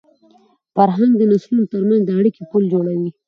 فرهنګ د نسلونو تر منځ د اړیکي پُل جوړوي.